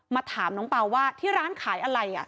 ถามน้องเปล่าว่าที่ร้านขายอะไร